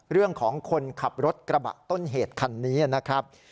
เรื่องของคนขับรถกระบะต้นเหตุคันนี้นะครับ